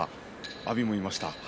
阿炎もいました。